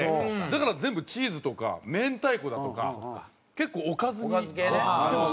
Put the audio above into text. だから全部チーズとかめんたいこだとか結構おかずにしても。